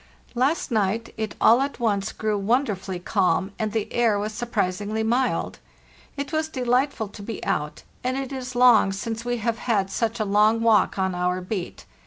"Last night it all at once grew wonderfully calm, and the air was surprisingly mild. It was delightful to be out, and it is long since we have had such a long walk on our beat.